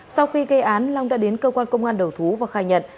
sau khi gây án long đã đến cơ quan công an đầu thú và khai nhận